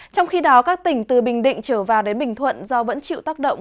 trong khi đó các tỉnh từ bình định trở vào đến bình thuận do vẫn chịu tác động